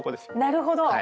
なるほど！